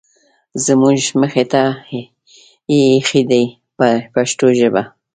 زموږ مخې ته یې اېښي دي په پښتو ژبه.